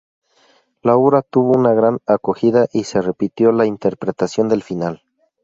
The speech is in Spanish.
La obra tuvo una gran acogida, y se repitió la interpretación del final.